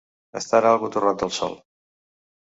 Estar algú torrat del sol.